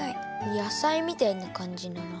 野菜みたいなかんじだな。